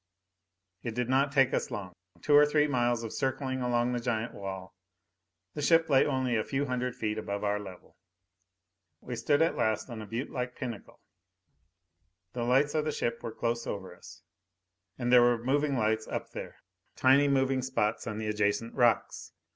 It did not take us long two or three miles of circling along the giant wall. The ship lay only a few hundred feet above our level. We stood at last on a buttelike pinnacle. The lights of the ship were close over us. And there were moving lights up there, tiny moving spots on the adjacent rocks.